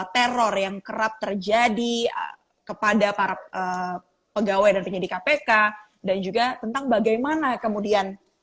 teror yang kerap terjadi kepada para pegawai dan penyidik kpk dan juga tentang bagaimana kemudian